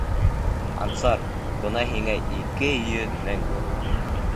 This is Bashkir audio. Ансар, бына һиңә ике йөҙ мең.